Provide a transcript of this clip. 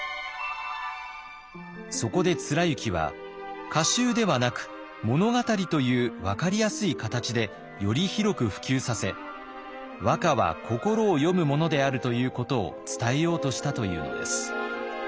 そこで貫之は歌集ではなく物語という分かりやすい形でより広く普及させ和歌は心を詠むものであるということを伝えようとしたというのです。